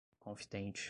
confitente